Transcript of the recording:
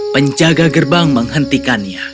penjaga gerbangnya menangkapnya